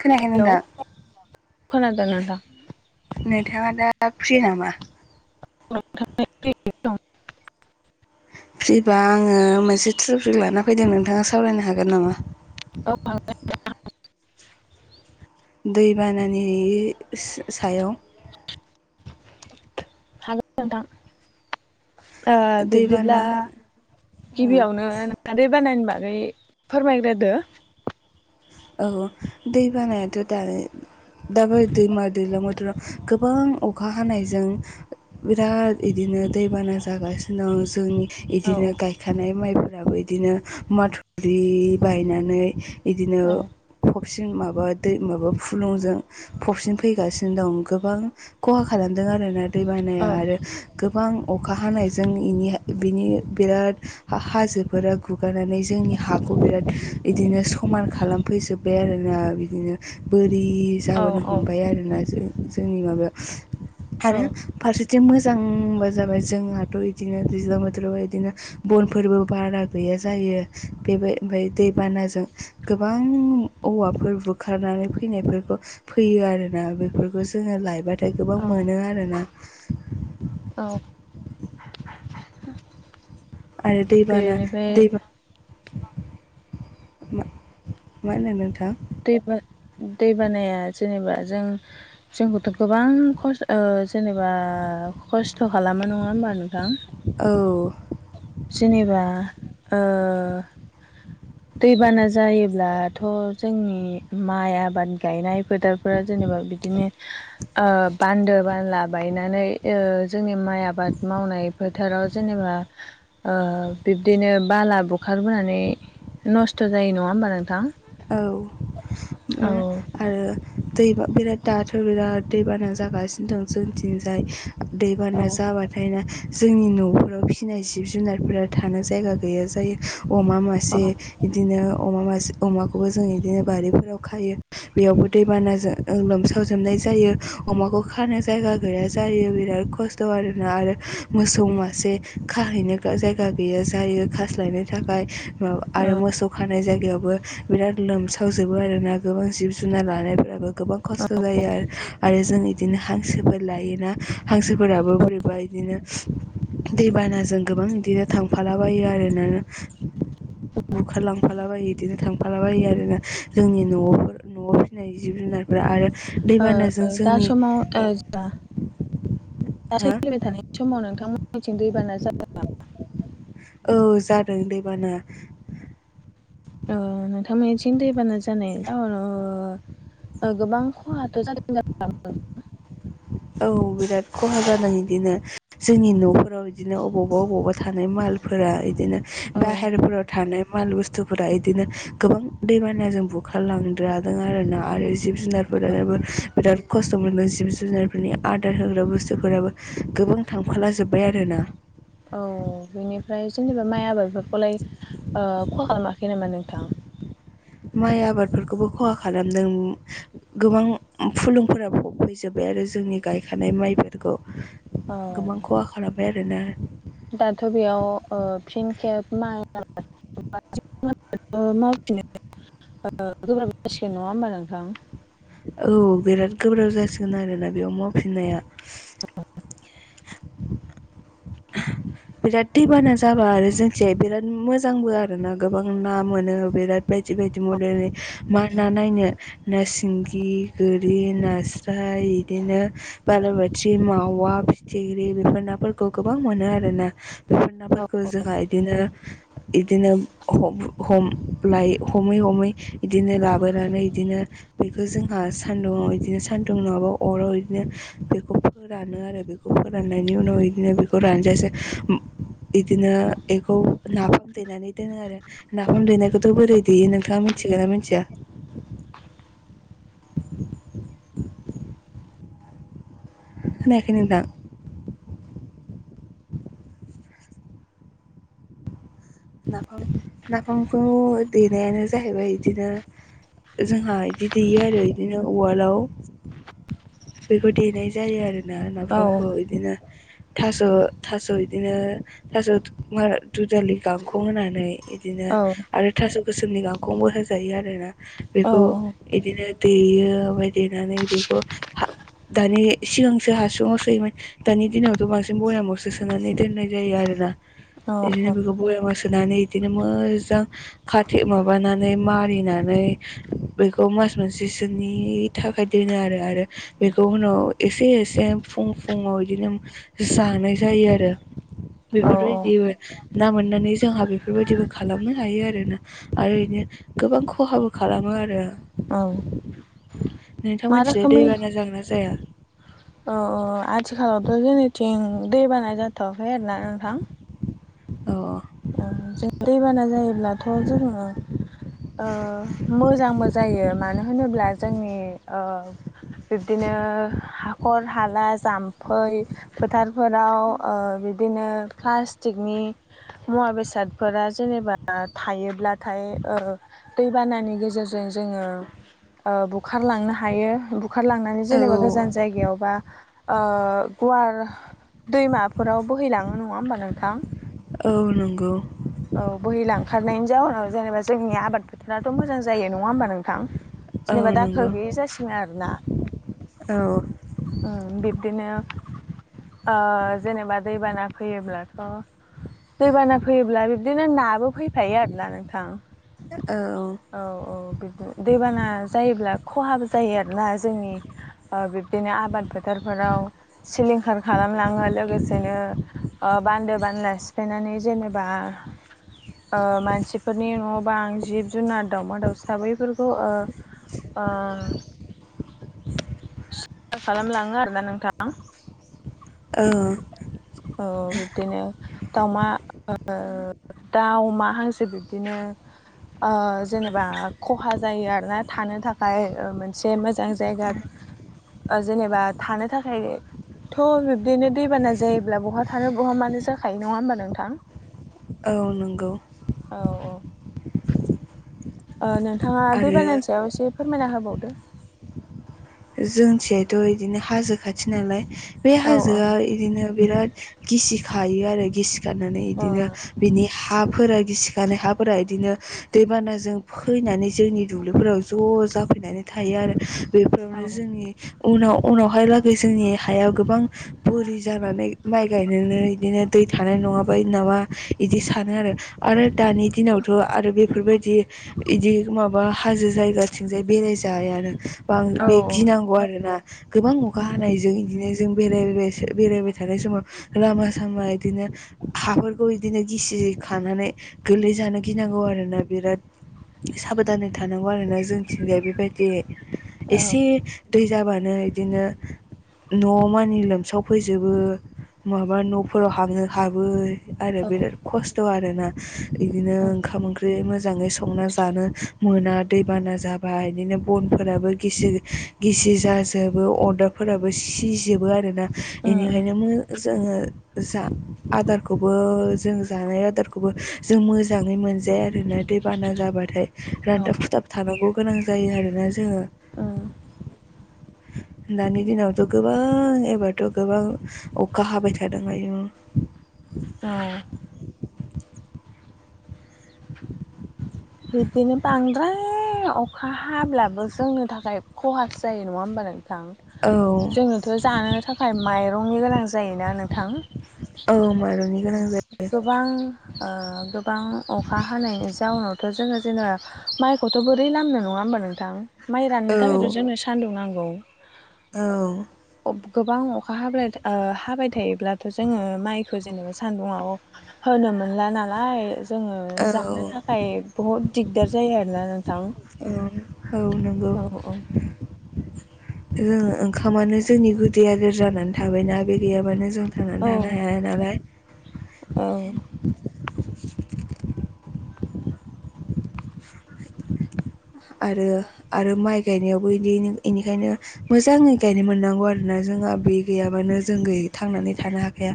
खोनायाखै हेलौ नोंथां। खोनादों नोंथां। नोंथाङा दा फ्रि नामा? [unintelligible] फ्रिबा आङो मोनसे ट्रफिक लाना फैदों नोंथाङा सावरायनो हागोन नामा? औ दैबानानि सायाव। [unintelligible] ओ बिब्दिब्ला दैबाना गिबियावनो खारै बानायनोबा मै फोरमायग्रोदो। औ दै बानायाथ' दानि दाबो दैमा दैलां बोथोराव गोबां अखा हानायजों बिराद इदिनो दैबाना जागासिनो जोंनि औ इदिनो गायखानाय माइफोराबो इदिनो माथुरि बायनानै बिदिनो औ फबसिन माबा दै माबा फुलुंजों फबसिन फैगासिनो दं गोबां खहा खालाम दों आरोना दै बानाया औ आरो गो गोबां अखा हानायजोंनि इनि बिनि बिराद हा हाजोफोरा गु हगारनानै जोंनि हाखौ बिराद बिदिनो समान खालाम बे आरोना बिदिनो बोरि औ जाबोनो औ हमबाय आरोना जों जोंनि माबायाव आरो औ फारसेथिं बिदि मोजांबा जाबाय जोंहाथ' बिदिनो दैज्लां बोथोरबा बिदिनो बनफोरबो बारा गैया जायो बेबो ओमफ्राय दैबानाजों गोबां गोबां औवाफोर बुखारनानै फैनायफोरखौ फैयो आरोना बेफोरखौ जोङो लायबा नाथाय गोबां औ मोनो आरोना औ बेनिफ्राय [inaudible] मा होनदों नोंथां दैबा दैबानाया [unintelligible] जेनेबा जों जोंखौथ' गोबां खस ओ जेनेबा खस् खस्थ' खालामो नङा होमबा नोंथां औ जेनेबा दैबाना जायोब्लाथ' जोंनि माइ आबाद गायनाय फोथारफोरा जेनेबा बिदिनो बान्दो बानला बायनानै जोंनि माइ आबाद मावनाय फोथाराव जेनेबा बिब्दिनो बाला बुखारबोनानै नस्थ' जायो नङा होमबा नोंथां औ औ आरो दैबा बिराद दाद बिराद दैबाना जागासिनो दं जोंनिथिंजाय दैबाना औ जाबाथाय ना जोंनि न'फोराव फिनाय जिब जुनारफोरा थानो जायगा गैया जायो अमा मासे औ बिदिनो अमा मासे अमाखौबो जों बिदिनो बारिफोराव खायो बेयावबो दैबानाजों लोमसावजोबनाय जायो अमाखौ खानो जायगा गैया जायो बिराद खस्थ' आरोना आरो मोसौ मासे खा जाहैनो जायगा गैया जायो खास्लायनो थाखाय माबा आरो मोसौ खानाय जायगायाव बिराद लोमसावजोबो आरो ना गोबां जिब जुनार लानायफ्राबो गोबां खस्थ' जायो आरो आरो जोंनि बिदिनो हांसोफोर लायोना हांसोफोराबो बोरैबा बिदिनो दैबानाजों गोबां बिदिनो थांफालाबायो आरोना बुखारलांफालाबायो बिदिनो थां मालाबायो आरोना जोंनि न'आवफोर न'आव फिसिनाय जिब जुनारफोरा आरो ओ दैबानाजों दा जोंनि समाव ओजा दाथाय हा सोलिबाय थानाय समाव नोंथांमोननिथिं दैबाना जागोन नामा औ जादों दैबाना नोंथांमोननिथिं दैबाना जानाय गोबां खहाथ' जादों औ बिराद खहा जादों बिदिनो जोंनि न'फोराव बिदिनो अबावबा अबावबा थानाय माल बिदिनो हागौ। औ बाहेरफोराव थानाय माल बुस्थुफोरा इदिनो गोबां दैबानाजों बुखारलांद्रादों आरोना आरो जिब जुनारफोराबो बिराद खस्थ' मोनो जिब जुनार फोरनि आदार होग्रा बुस्थुफोराबो गोबां थांफाला जोब्बाय आरो ना औ बेनिफ्राय जेनेबा माइ आबादफोरखौलाय ओ खहा खालामाखै नामा नोंथां माइ आबादफोरखौबो खहा खालामदों गोबां फुलुंफोरा फैजोब्बाय आरो आरो जोंनि गायखानाय माइफोरखौ औ गोबां खहा खालामबाय आरोना दाथ' बेयाव ओ फिन केेब माइ [unintelligible] खामानियाथ' मावफिनो ओ गोब्राब जासिगोन नङा होमबा नोंथां औ बिराद गोब्राब जासिगोन आरोना बेयाव मावफिननाया औ बिराद दैबाना जाबा आरो जोंथिजाय बिराद मोजांबो आरो ना गोबां ना मोनो बिराद बे बिदि बायदि [unintelligible] मा ना नायनो ना सिंगि गोरि नास्राय बिदिनो बाला बाथि मावा फिथिख्रि बेफोर नाफोरखौ गोबां मोनो आरो ना। बेफोर नाफोरखौ जोंहा इदिनो इदिनो लायो हम हम ब्लाय हमै हमै इदिनो लाबोनानै इदिनो बेखौ जोंहा सान्दुंआव इदिनो सान्दुं नङाबा अराव इदिनो बेखौ फोरानो आरो बेखौ। फोराननायनि उनाव इदिनो बेखौ रानजासे इदिनो एखौ नाफाम देनानै दोनो आरो नाफाम देनायखौथ' बोरै देयो नोंथाङा मिथि मोनथिगोना मिनथिया? खोनायाखै नोंथां? नाफाम नाफामखौ देनायानो जाहैबाय इदिनो जोंहा इदि देयो आरो इदिनो उवालाव बेखौ देनाय जायो आरो। ना औ नाफामखौ इदिनो। थास' थास' इदिनो थास' दु दुदालि गांखं होनानै। इदिनो आरो थास' गोसोमनि गांखंबो होजायो आरो ना। औ बेखौ इदिनो देयो ओमफाय देनानै बेखौ हा दानि सिगांसो हासुङाव सोयोमोन दानि दिनावथ' बांसिन बयामावसो सोनानै दोननाय जायो आरोना। एदिनो औ बिखौ समायाव सो नानै इदिनो मोजां खाथे माबानानै मारिनानै बेखौ मोज मास मोनसेसोनि थाखाय दोनो आरो आरो बेखौ उनाव एसे एसे फुं फुुङाव इदिनो जानाय जायो आरो। औ औ बेफोरबायदिमोन। ना मोननानै जोंहा बेफोरबायदिबो खालामनो हायो आरो ना आरो बिनो गोबां खहाबो खालामो। आरो। औ। नोंथां मोनथिनो [unintelligible] अ आ आथिखालावथ' जोंनिथिं दै बाना जाथ'वाखै आरोना नोंथां। औ औ। ओ जों दैबाना जायोब्लाथ' जोङो ओ मोजांबो जायो मानो होनोब्ला जोंनि ओ बिब्दिनो हाखर हाला जाम्फै फोथारफोराव ओ बिदिनो प्लास्टिकनि मुवा बेसादफोरा जेनेबा थायोब्लाथाय ओ दैबानानि गेजेरजों जों ओ बुखारलांनो हायो बुखारलांनानै अ जेनेबा गोजान जायगायावबा ओ गुवार दैमाफोराव बोहैलाङो नङा होमबा नोंथां? औ नंगौ। औ बोहैलांखारनायनि जाउनाव जेनेबा जोंनि आबाद फोथाराथ' मोजां जायो नङा होमबा नोंथां? औ जेनेबा नंगौ दाखोर गैयि जासिगोन आरोना। औ ओं बिब्दिनो ओ जेनेबा दैबाना फैयोब्लाथ' दैबाना फैयोब्ला बिदिनो नाबो फैफायो आरोना नोंथां। औ औ बिदिनो दैबाना जायोब्ला खहाबो जायो आरोना जोंनि ओ बिब्दिनो आबाद फोथारफोराव सिलिंखार खालामलाङो लोगोसेनो आ बान्दो बानला सिफायनानै जेनेबा [inaudible] ओ मानसिफोरनि न'बां आं जिब जुनार दाउमा-दाउसा बैफोरखौ ओ ओ। खालामलाङो आरोना नोंथां। औ। अमा ओ दाउ अमा हांसो बिब्दिनो जेनेबा खहा जायो आरोना थानो थाखाय मोनसे मोजां जायगा जेनेबा थानो थाखाय थ' बिब्दिनो दैबाना जायो जब्ला बहा थानो बहा मानो जाखायो नङा होमबा नोंथां? औ नंगौ। औ औ। नोंथाङा आरो दैबानानि सायाव एसे फोरमायना होबावदो जोंथिंथ' इदिनो हाजो खाथि नालाय बे औ औ हाजोआ इदिनो बिराद गिसि खायो आरो गिसि खनानै ओ बिदिनो बिनि हाफोरा गिसिखानाय हाफोरा बिदिनो दैबानाजों फैनानै जोंनि दुब्लिफोराव ज' ज जाफैनानै थायो आरो औ बेफोरावनो जोंनि उनाव उनावहाय लागै जोंनि हाया गोबां बोरि जानानै माइ गायनोनो बिदिनो दै थानाय नङाबाय नामा बिदि सानो आरो आरो दानि दिनावथ' आरो बेफोरबायदि इदि माबा हाजो जायगाथिंजाय बेराय जायानो। बां औ बे औ गिनांगौ आरो ना गोबां अखा उम हानायजों बिदिनो जों बे बेरायबाय थानाय समाव लामा सामा इदिनो हाफोरखौ इदिनो गिसि खानानै गोरलै जानो गिनांगौ आरोना बिराद साबधानै थानांगौ आरोना जोंथिंगाया बेबायदि औ एसे दै जाबानो बिदिनो न' मानि लोमसाव फैजोबो माबा न'फोराव हाबनो हाबो आरो औ बिराद खस्थ' आरोना बिदिनो उम ओंखाम ओंख्रि मोजां मोजाङै संना जानो मोना दैबाना जाबा बिदिनो बनफोराबो गिसि गिसि जाजोबो अरदाबफोराबो सिजोबो आरोना उम उम बेनिखायनो जोङो जा आदारखौबो जों जानाय आदारखौबो जों मोजाङै मोनजाया आरो न दै बाना जाबाथाय औ रानथाब खुथाब थानांगौ गोनां जायो आरोना जोङो। उम। [inaudible] दानि दिनावथ' गोबां एबारथ' गोबां अखा हाबाय थादों आयु औ। [inaudible] बिब्दिनो बांद्राय अखा हाब्लाबो जोंनि थाखाय खहा जायो नङा होमबा नोंथां औ जोङोथ' जानो थाखाय माइरंनि गोनां जायोना नोंथां औ माइरंनि गोनां गोबां गोबां अखा हानायनि जाउनावथ' जोङो जेनेबा माइखौथ' बोरै लामनो नङा होमबा नोंथां माइ जायो राननो थाखायथ' औ जोंङो सानदुं नांगौ औ। औ। गोबां अखा हाब हाबाय थायोब्लाथ' जोङो माइ जोङो सान्दुुंव होनो मोनला नालाय जोङो औ जानो थाखाय बहुत दिगदार जायो आरोना न औ नंगौ। जोङो ओंखामानो जोंनि गुदि आदार जानानै थाबायना बे गैयाबानो जों थांनानै औ थानो हाया नालाय। औ आरो आरो माइ गायनायावबो बिदि बेनिखायनो मोजाङै गायनो मोननांगौ आरो ना जोंहा बे गैयाबानो जों गै थांनानै थानो हाखाया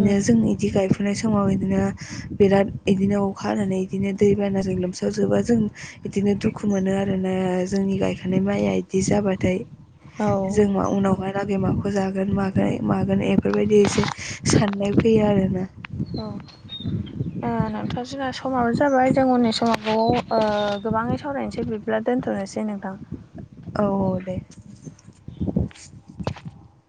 उम जोंनि बिगाय फुनाय समाव बिदिनो बिराद बिदिनो अखा हानानै बिदिनो दैबानाजों लोमसाव जोबा जों बिदिनो दुखु मोनो आरोना जोंनि गायखानाय माइया बिदि जाबाथाय औ जोंहा उनावहाय दा नै माखौ जागोन मोन मागोन बेफोरबायदि एसे साननाय फैयो आरोना। औ ओ [inaudible] नोंथां' जोंना समाबो जाबाय जों उननि समाव गोबाङै सावरायनोसै बिब्ला दोन्थ'नोसै। नोंथां औ औ दे [inaudible] [inaudible]